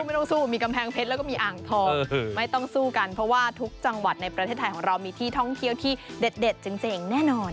ไม่ต้องสู้มีกำแพงเพชรแล้วก็มีอ่างทองไม่ต้องสู้กันเพราะว่าทุกจังหวัดในประเทศไทยของเรามีที่ท่องเที่ยวที่เด็ดจริงแน่นอน